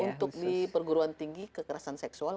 untuk di perguruan tinggi kekerasan seksual